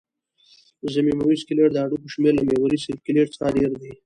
ضمیموي سکلېټ د هډوکو شمېر له محوري سکلېټ څخه ډېر دی.